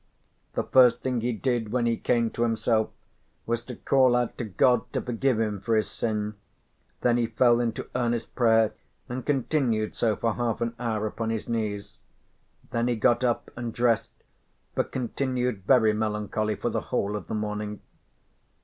The first thing he did when he came to himself was to call out to God to forgive him for his sin, then he fell into earnest prayer and continued so for half an hour upon his knees. Then he got up and dressed but continued very melancholy for the whole of the morning.